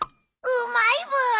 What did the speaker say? うまいブー。